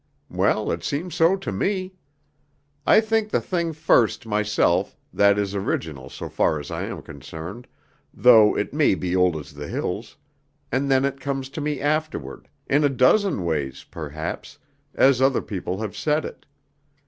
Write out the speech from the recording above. Well, it seems so to me. I think the thing first myself, that is original so far as I am concerned, though it may be old as the hills, and then it comes to me afterward, in a dozen ways, perhaps, as other people have said it.